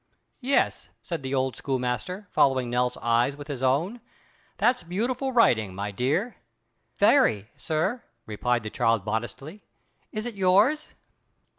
"Yes," said the old schoolmaster, following Nell's eyes with his own; "that's beautiful writing, my dear." "Very, sir," replied the child modestly; "is it yours?"